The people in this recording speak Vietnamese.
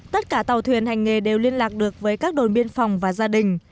tất cả tàu thuyền hành nghề đều liên lạc được với các đồn biên phòng và gia đình